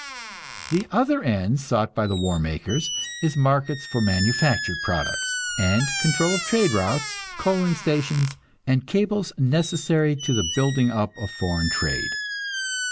The other end sought by the war makers is markets for manufactured products, and control of trade routes, coaling stations and cables necessary to the building up of foreign trade.